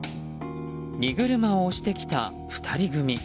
荷車を押してきた２人組。